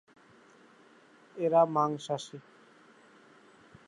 এরা মাংসাশী।